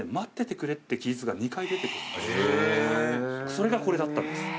それがこれだったんです。